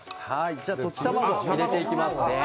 じゃ溶き卵入れていきますね。